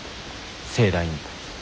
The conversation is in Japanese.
盛大に。